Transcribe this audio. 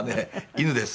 犬です。